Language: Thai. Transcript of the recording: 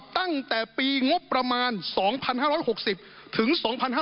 ตั้งแต่ปีงบประมาณ๒๕๖๐ถึง๒๕๕๙